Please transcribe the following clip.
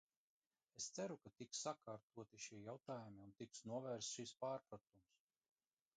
Es ceru, ka tiks sakārtoti šie jautājumi un tiks novērsts šis pārpratums.